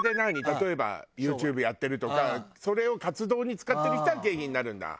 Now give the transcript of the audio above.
例えばユーチューブやってるとかそれを活動に使ってる人は経費になるんだ。